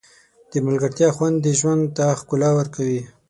د ملګرتیا خوند ژوند ته ښکلا ورکوي.